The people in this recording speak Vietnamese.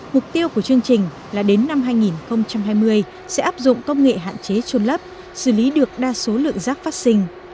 mục tiêu của chương trình là đến năm hai nghìn hai mươi sẽ áp dụng công nghệ hạn chế trôn lấp xử lý được đa số lượng rác phát sinh